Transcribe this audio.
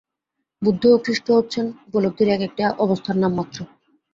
বুদ্ধ ও খ্রীষ্ট হচ্ছেন উপলব্ধির এক একটি অবস্থার নামমাত্র।